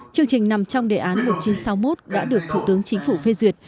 chương trình nằm trong đề án một nghìn chín trăm sáu mươi một đã được thủ tướng chính phủ phê duyệt